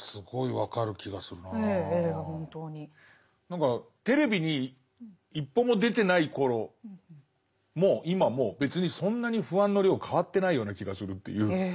何かテレビに一歩も出てない頃も今も別にそんなに不安の量変わってないような気がするっていう。